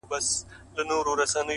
• طبیعت د انسانانو نه بدلیږي,,!